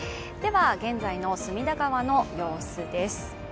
現在の隅田川の様子です。